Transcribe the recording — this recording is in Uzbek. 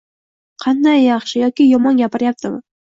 Qanday – yaxshi yoki yomon gapiryaptimi?